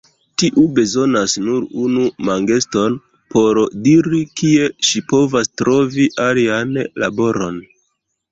Tiu bezonas nur unu mangeston por diri, kie ŝi povas trovi alian laboron.